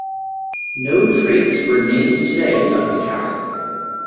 No trace remains today of the castle.